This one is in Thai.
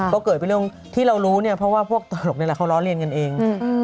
ก็เกิดเป็นเรื่องที่เรารู้เนี่ยเพราะว่าพวกตลกนี่แหละเขาล้อเลียนกันเอง